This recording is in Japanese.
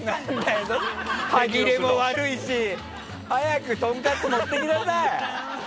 歯切れも悪いし早くとんかつ持っていきなさい！